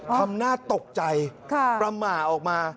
ทำหน้าตกใจประหมาออกมา